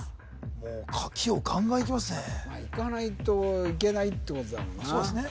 もう書きをガンガンいきますねまあいかないといけないってことだもんなそうですね